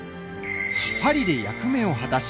パリで役目を果たし